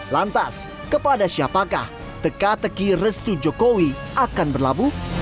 lantas kepada siapakah teka teki restu jokowi akan berlabuh